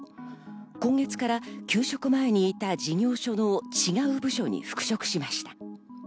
今月から休職前にいた事業所の違う部署に復職しました。